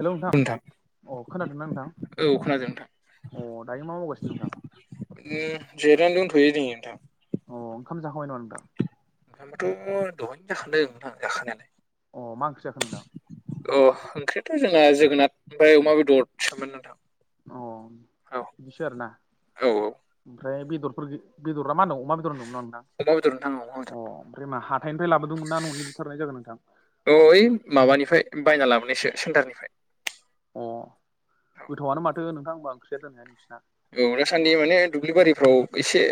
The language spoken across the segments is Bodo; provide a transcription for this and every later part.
हेलौ नोंथां! अ खोनादोंना नोंथां? औ खोनादों नोंथां अ दायो मा मावगासिनो नोंथां? दिनो जेरायना दंथयो‌ नै नोंथां। अ ओंखाम जाखांबाय नामा नोंथां? ओंखामाथ' दहायनो जाखांदों आं जाखांनायालाय। अ मा ओंख्रि जाखो नोंथां? अ ओंख्रियाथ' जोंना जोगोनार ओमफ्राय अमा बेदर सोमोन नोंथां। अ औ बिदिसो आरोना औ औ ओमफ्राय बेदरफोर गै बेदरा मा होनदों अ मा बेदरं नंगौना नोंथां? अमा बेदर नोंथां औ अमा अ बेदर ओमफ्राय मा हाथाइनिफ्राय लाबोदोंमोन ना न'नि बुथारनाय जागोन नोंथां? अ औ ओइ माबानिफ्राय बायना लाबोनायसो सेन्टारनिफ्राय। अ गोथयानो माथो नोंथांं होनबा ओंख्रिया दोनैहाय नोंसिना? औ दासान्दि माने दुब्लि बारिफ्राव एसे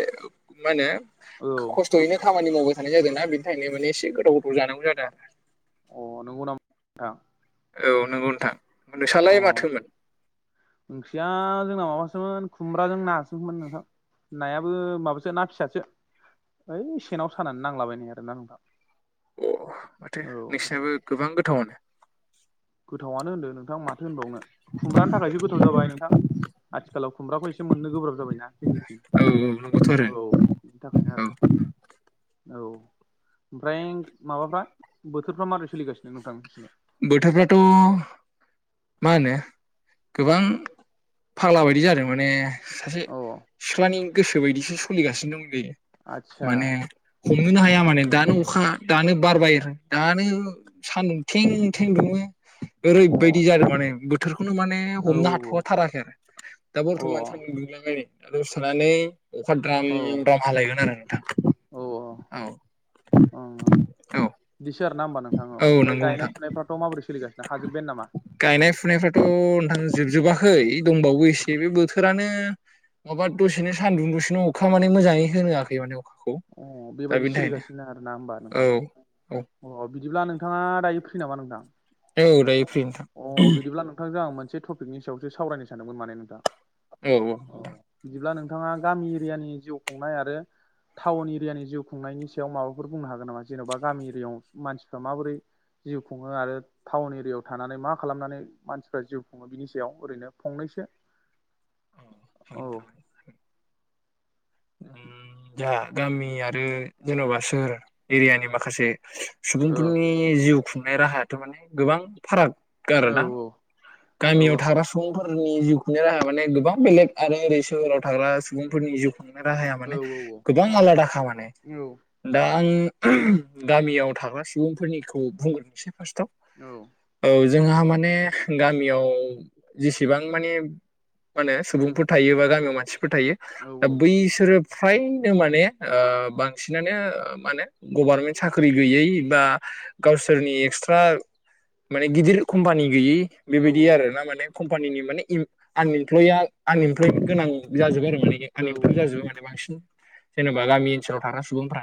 मा होनो औ। खस्थयैहाय खामानि मावबाय थानाय जादों ना बिनिखायनो माने एसे गोथाव गोथाव जानांगौ जादों। अ नंगौ नामा नोंथां? औ नंगौ नोंथां। अ नोंसालाय माथोमोन? ओंख्रिया जोंना माबासोमोन खुमब्राजों नासोमोन नोंथां। नायाबो माबासो ना फिसासो। ओइ सेेनाव सानानै नांलाबायनाय आरोना नोंथां। अ माथो औ नोंसिनाबो गोबां गोथावानो? गोथावनो होनदों नोंथां माथो होनबावनो खुमब्रानि थाखायसो गोथाव जाबाय नोंथां। आथिखालाव खुमब्राखौ एसे मोननो गोब्राब जाबायना जोंनिथिं। नंगौबोथ' आरो औ बिनि थाखायनो औ आरो। औ ओमफ्राय माबाफ्रा बोथोरफ्रा माब्रै सोलिगासिनो नोंथां नोंसिनाव? बोथोरफ्राथ' मा होनो गोबां फाग्ला बायदि जादों माने सासे अ सिख्लानि गोसो बायदिसो सोलिगासिनो दंलै। आदसा माने हमनोनो हाया माने दानो अखा दानो बारबाय आरो दानो सान्दुं थें थें दुङो अ ओरैबायदि औ जादों आरो माने बोथोरखौनो माने औ हमनो हाथ'वाथाराखै आरो। दा औ बर्थमान सान्दुं दुंदोंलाय नै। दसे थानानै अखा द्राम अ औ द्राम हालायगोन आरो नोंथां औ। उम उम बिदिसो आरो ना होमबा नोंथाङाव औ ओमफ्राय गायनाय फुनायफ्राथ' माबोरै सोलिगासिनो हाजोब्बायानो नामा? गायनाय फुनायफ्राथ' नोंथां जोबजोबाखै दंबावो एसे बे बोथोरानो माबा दसेनो सान्दुं दसेनो अखा माने मोजाङै होआखै माने अखाखौ अ दा बेबायदि बेनि थाखायनो सोलिगासिनो आरोना होमबा औ नोंथां औ अ बिदिब्ला नोंथाङा दायो फ्रि फ्रि नामा नोंथां औ दायो फ्रि नोंथां अ बिदिब्ला नों नोंथांजों आं मोनसे टपिकनि सायावसो सावरायनो सानदोंमोन माने नोंथां। औ बिदिब्ला नोंथाङा गामि एरियानि जिउ खुंनाय आरो टाउन एरियानि जिउ खुंनायनि सायाव माबाफोर बुंनो हागोन नामा जेन'बा गामि एरियाायाव मानसिफ्रा माबोरै जिउ खुङो आरो टाउन एरियायाव थानानै मा खालामनानै मानसिफ्रा जिउ खुङो बिनि सायाव ओरैनो फंनैसो अ औ नोंथां जाहा गामि आरो जेन'बा सोर एरियानि माखासे औ सुबुंफोरनि जिउ खुंनाय राहायाथ' माने गोबां फाराग औ आरोना। औ गामि थाग्रा सु सुबुंफोरनि जिउखौनो राहा माने गोबां बेलेग आरो ओरै सोहोराव थाग्रा सुबुंफोरनि जिउ खुंनाय राहाया औ माने औ गोबां आलादाखा माने। औ दा आं गामियाव थाग्रा सुबुंफोरनिखौ बुंग्रोनोसै फार्स्टआव। औ औ जोंहा माने गामियाव जेसेबां माने मा होनो सुबुंफोर थायो बा गामियाव मानसिफोर थायो औ दा बैसोरो फ्रायनो माने ओ बांसिनानो मा होनो गभारमेन्ट साख्रि गैयै बा गावसोरनि एक्सट्रा माने गिदिर कम्पानि गैयि बेबायदि आर ना माने कम्पानिनि माने आनइमप्लयया आनइमप्लय गोनां जाजोबबाय आरो माने औ आनइमप्लयद औ जाजोब्बाय माने बांसिन। जेनेबा गामि ओनसोलाव थाग्रा सुबुंफ्रा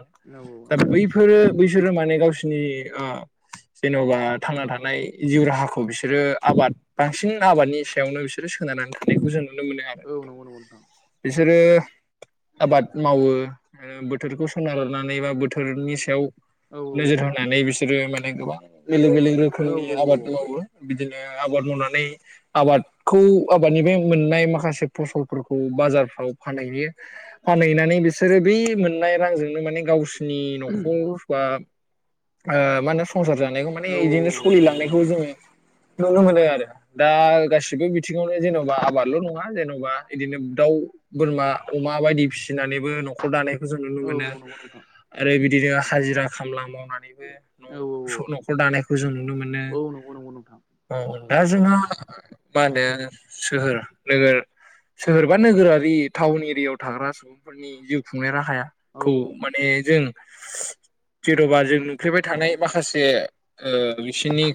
दा नंगौ बैफोरो बैसोरो माने गावसोरनि जेन'बा थांना थानाय जिउ राहाखौ बिसोरो आबाद बांसिन आबादनि सायावनो बिसोरो सोनारनानै थानायोननायखौ जों नुनो मोनो आरो। औ नंगौ नंगौ नोंथां। बिसोरो आबाद मावो बोथोरखौ सोनारनानै बा बोथोरनि सायाव औ नोजोर होनानै बिसोरो माने गोबां बेलेग बेलेग औ रोखोमनि औ आबाद मावो बिदिनो आबाद मावनानै आबादखौ आबादनि बे मोननाय माखासे फसलफोरखौ बाजारफ्राव फानहैयो। फानहैनानै बिसोरो बै मोननाय रांजोंनो माने गावसिनि न'खर बा [inaudible] मा होनो संसार जानायखौ माने औ बिदिनो सोलिलांनायखौ जोङो नुनो मोनो आरो। दा गासिबो बिथिङावनो जेन'बा आबादल' नङा जेन'बा बिदिनो दाउ बोरमा अमा बायदि फिसिनानैबो न'ख खर दानायखौ जों नुनो औ मोनो नंगौ नंगौ नोंथां आरो बिदिनो हाजिरा खाम मावनानै औ नंगौ नोंथां औ औ नैबो न'खर दानायखौ जों नुनो मोनो। औ नंगौ नंगौ नोंथां औ दा जोंहा मा होनो सोहोर नोगोर सोहोरबा नोगोरारि टाउन एरियाायाव थाग्रा सुबुं फोरनि जिउ खुंनाय औ राहाखौ माने जों जेन'बा जों नुफ्लेबाय थानाय माखासे बिसनि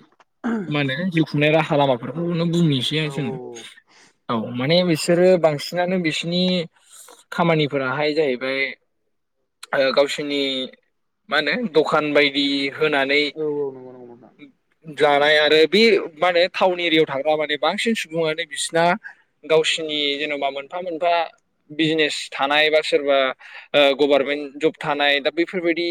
मा होनो जिउ खुंनाय राहा लामाफोरखौनो बुंनोसै औ जोङो। औ माने बिसोरो बांसिनानो बिसिनि खामानिफोराहाय जाहैबाय गावसोरनि मा होनो दखान बायदि होनानै औ औ नंगौ नंगौ नोंथां जानाय आरो बे माने टाउन एरियायाव थाग्रा माने बांसिन बुङो दै बिसना गावसोरनि जेनेबा मोनफा मोनफा बिजनेस थानाय बा सोरबा गभार्नमेन्ट जब थानाय दा बैफोरबायदि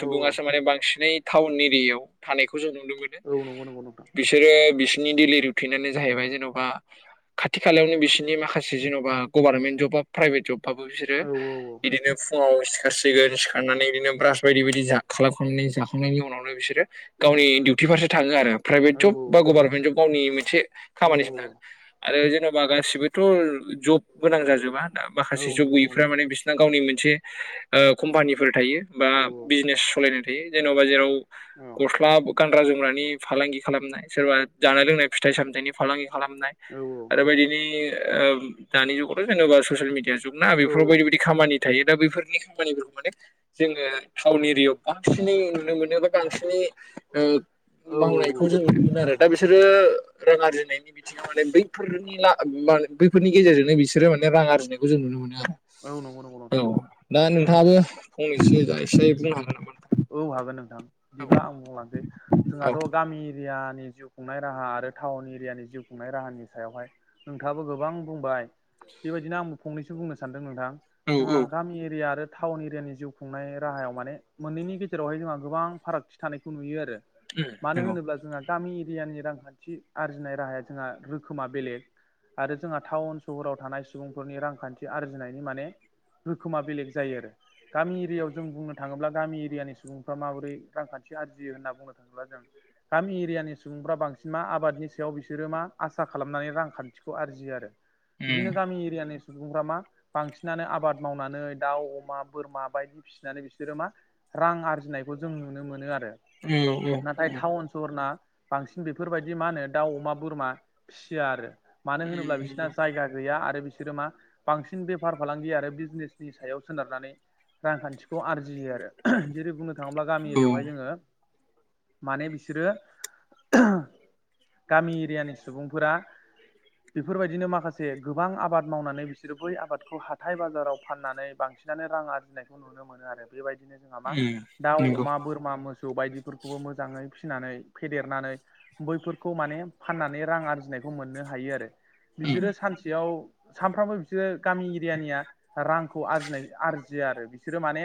औ औ माने बांसिनै टाउन एरियायाव थानायखौ जों नुदोंमोन। औ नंगौ नंगौ नोंथां। बिसोरो बिसोरनि दोइलि रुथिनानो जाहैबाय जेन'बा खाथि खालायावनो बिसोरनि माखासे जेन'बा गभार्नमेन्ट जब बा प्राइभेट जबबाबो बिसोरो औ औ बिदिनो फुङाव सिखारसिगोन सिखारनानै बिदिनो ब्रास बायदि बायदि खालामखांनानै जाखांनायनि उनावनो बिसोरो गावनि डिउटि फारसे थाङो आरो प्राइभेट औ जब बा गभार्नमेन्ट जब गावनि मोनसे औ खामानिसोना। आरो जेन'बा गासिबोथ' जब गोनां जाजोबा औ माखासे जब नंगौ नंगौ गैयिफोरा नोंथां माने बिसोर गावनि मोनसे कम्पानिफोर थायो बा औ बिजनेस सालायनाय थायो। जेन'बा जेराव औ गस्ला गानग्रा जोमग्रानि फालांगि खालामनाय सोरबा जानाय लोंनाय फिथाइ सामथाइनि फालांगि खालामनाय, औ आरो बे औ बायदिनो दानि जुगावथ' जेनेबा ससियेल मिडिया जुग ना बेफोराव औ बायदि बायदि खामानि थायो दा बेैफोरनि खामानिफोरखौ माने जोङो टाउन एरियायाव बांसिनै नुनो मोनो। बा बांसिनै मावनायखौ जों नुनो मोनो आरो। दा बिसोरो रां आरजिनायनि बि माने बैफोरनि बैफोरनि गेजेरजोंनो बिसोरो माने रां आरजिनायखौ जों नुनो मोनो आरो। औ नंगौ नंगौ नोंथां। औ दा नोंथाङाबो फंनैसो जा एसे बुंनो हागोन नामा। औ हागोन नोंथां। बिदिब्ला आं बुंलांसै। औ जोंहाथ' गामि एरियानि जिउ खुंनाय राहा आरो टाउन एरियानि जिउ खुंनाय राहानि सायावहाय। नोंथाङाबो गोबां बुंबाय बेबायदिनो आंबो फंनैसो बुंनो सानदों नोंथां। औ जोंहा गामि एरिया आरो टाउन एरियानि जिउ खुंनाय राहायाव माने मोननैनि गेजेरावहाय जोंहा गोबां फारागथि थानायखौ नुयो आरो। मानो औ औ होनोब्ला जोंहा गामि एरियानि रांखान्थि आरजिनाय राहाया जोंहा रोखोमा बेलेग। आरो जोंहा टाउन सहराव थानाय सुबुंफोरनि रांखान्थि आरजिनायनि माने रोखोमा बेलेग जायो आरो। गामि एरियायाव जों बुंनो थाङोब्ला गामि एरियानि सुबुंफ्रा माबोरै रांखान्थि आरजियो होन्ना बुंनो थाङोब्ला जों गामि एरियानि सुबुंफ्रा बांसिन मा आबादनि सायाव बिसोरो मा आसा खालामनानै रांखान्थिखौ आरजियो आरो। उम बिदिनो गामि एरियानि सुबुंफ्रा मा बांसिनानो आबाद मावनानै दाउ, अमा, बोरमा बायदि फिसिनानै बिसोरो मा रां आरजिनायखौ जों नुनो मोनो आरो। नंगौ उम औ नाथाय उम टाउन सहरना बांसिन बेफोरबायदि मा होनो दाउ, अमा, बोरमा फिसिया आरो। मानो होनोब्ला नंगौ बिसोरना जायगा गैया आरो बिसोरो मा बांसिन बेफार फालांगि आरो बिजनेसनि सायाव सोनारनानै रांखान्थिखौ आरजियो आरो। जेरै बुंनो थाङोब्ला गामि औ एरियायावहाय जोङो माने बिसोरो गामि एरियानि सुबुंफोरा बेफोरबायदिनो माखासे गोबां आबाद मावनानै बिसोरो बै आबादखौ हाथाय बाजाराव फाननानै बांसिनानो रां आरजिनायखौ नुनो मोनो आरो बे बायदि। बिदिनो जोंहा मा उम दाउ, नंगौ अमा, बोरमा मोसौ बायदिफोरखौबो मोजाङै फिसिनानै फेदेरनानै बैफोरखौ माने फाननानै रां आरजिनायखौ मोननो हायो आरो। उम बिसोरो सानसेयाव सानफ्रामबो बिसोरो गामि एरियानिया रांखौ आरजिनाय आरजियो आरो। बिसोरो माने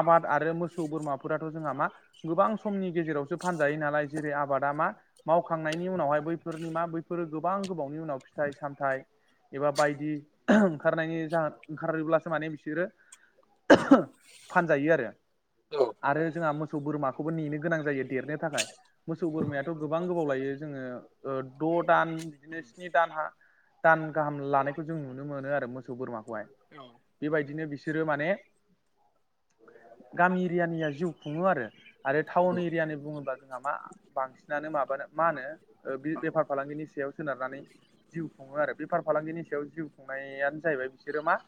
आबाद आरो मोसौ बोरमाफोराथ' जोंहा मा गोबां समनि गेजेरावसो फानजायो नालाय। जेरै- आबादा मा मावखांनायनि उनावहाय बैफोरनि मा बैफोरो गोबां गोबावनि उनाव फिथाइ सामथाइ एबा बायदि ओंखारनायनि जाहो ओंखारोब्लासो माने बिसोरो फानजायो आरो औ आरो जोंहा मोसौ बोरमाखौबो नेनो गोनां जायो देरनो थाखाय मोसौ बोरमायाथ' गोबां गोबाव लायो जोङो द' दान बिदिनो स्नि दानहा दान गाहाम लानायखौ जों नुनो मोनो आरो मोसौ बोरमाखौहाय औ बेबायदिनो बिसोरो माने गामि एरियानिया जिउ खुङो आरो आरो टाउन एरियानि बुङोब्ला जोंहा मा बांसिनानो माबानो मा होनो बेफार फालांगिनि सायाव सोनारनानै जिउ खुङो आरो बेफार फालांगिनि सायाव जिउ खुंनायानो जाहैबाय फिसोरो मा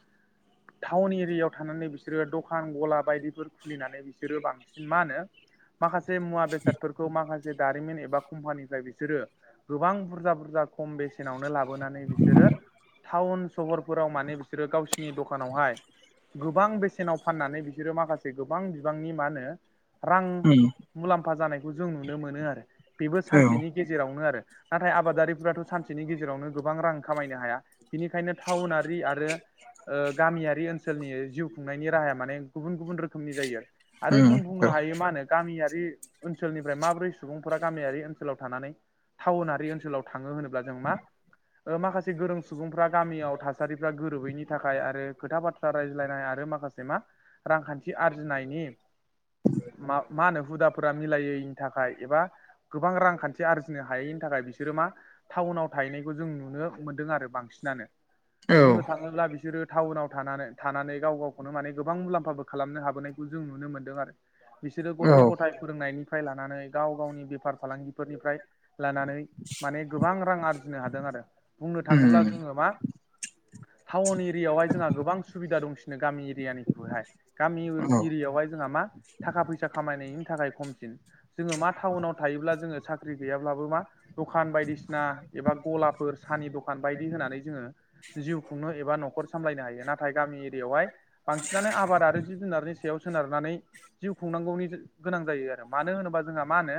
टाउन एरियायाव थानानै बिसोरो दखान गला बायदिफोर खुलिनानै बिसोरो बांसिन मा होनो माखासे मुवा बेसाद फोरखौ माखासे दारिमिन एबा कम्पानिफ्राय बिसोरो गोबां बुरजा बुरजा खम बेसेनावनो लाबोनानै बिसोरो टाउन सहरफोराव माने बिसोरो गावसिनि दखानावहाय गोबां बेसेनाव फाननानै बिसोरो माखासे गोबां बिबांनि मा होनो रां मुलाम्फा जानायखौ जों नुनो मोनो आरो बेबो सानसेनि गेजेरावनो आरो नाथाय आबादारिफोराथ' सानसेनि गेजेरावनो गोबां रां खामायनो हाया बिनिखायनो टाउनारि आरो ओ गामियारि ओनसोलनि जिउ खुंनायनि राहाया माने गुबुन गुबुन रोखोमनि जायो आरो जों बुंनो हायो मा होनो गामियारि ओनसोलनिफ्राय माब्रै सुबुंफोरा गामियारि ओनसोलाव थानानै टाउनारि ओनसोलाव थाङो होनोब्ला जों मा ओ माखासे एसे गोरों सुबुंफ्रा गामियाव थासारिफ्रा गोरोबैनि थाखाय आरो खोथा बाथ्रा रायज्लायनाय आरो माखासे मा रांखान्थि आरजिनायनि मा मा होनो हुदाफोरा मिलायैनि थाखाय एबा गोबां रांखान्थि आरजिनो हायैनि थाखाय बिसोरो मा टाउनाव थायैनायखौ जों नुनो मोन्दों आरो बांसिनानो औ बुंनो थाङोब्ला बिसोरो टाउनाव थानानै थानानै गाव गावखौनो माने गोबां मुलाम्फा बो खालामनो हाबोनायखौ जों नुनो मोन्दों आरो बिसोरो औ गथ' गथाय फोरोंनायनिफ्राय लानानै गाव गावनि बेफार फालांगिफोरनिफ्राय लानानै माने गोबां रां आरजिनो हादों आरो बुंनो थाङोब्ला उम जोङो मा टाउन एरियायावहाय जोंहा गोबां सुबिदा दंसिनो गामि एरियानिख्रुइहाय गामि औ एरियायावहाय जोंहा मा थाखा फैसा खामायनायनि थाखाय खमसिन जोङो मा टाउनाव थायोब्ला जोङो साख्रि गैयाब्लाबो मा दखान बायदिसिना एबा गलाफोर सानि दखान बायदि होनानै जोङो जिउ खुंनो एबा नखर सामलायनो हायो नाथाय गामि एरियायावहाय बांसिनानो आबाद आरो जिब जुनारनि सायाव सोनारनानै जिउ खुंनांगौनि गोनां जायो आरो मानो होनोबा जोंहा मा होनो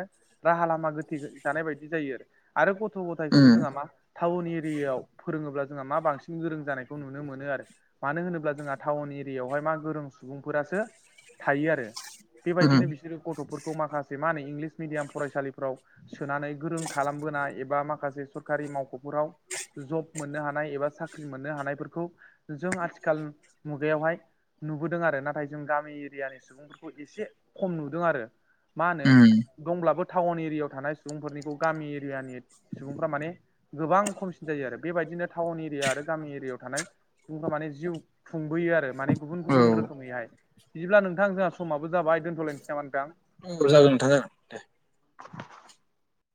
राहा लामा गोथेजानाय बायदि जायो आरो आरो गथ' गथायखौबो उम जोंहा मा टाउन एरियायाव फोरोङोब्ला जोंहा मा बांसिन गोरों जानायखौ नुनो मोनो आरो मानो होनोब्ला जोंहा टाउन एरियायावहाय मा गोरों सुबुंफोरासो थायो आरो उम बेबायदिनो बिसोरो गथ'फोरखौ माखासे मा होनो इंलिस मिडियाम फरायसालिफ्राव सोनानै गोरों खालामबोनाय एबा माखासे सरखारि मावख'फोराव जब मोननो हानाय एबा साख्रि मोननो हानायफोरखौ जों आथिखाल मुगायावहाय नुबोदों आरो नाथाय जों गामि एरियानि सुबुंफोरखौ एसे खम नुदों आरो मा होनो उम दंब्लाबो टाउन एरियायाव थानाय सुबुंफोरनिखौ गामि एरियानि सुबुंफ्रा माने गोबां खमसिन जायो आरो बेबायदिनो टाउन एरिया आरो गामि एरियायाव थानाय सुबुंफ्रा माने जिउ खुंबोयो आरो माने गुबुन औ गुबुन रोखो खोमैहाय बिदिब्ला नोंथां जोंहा समाबो जाबाय दोनथ'लायनोसै नामा नोंथां औ जागोन नोंथां जागोन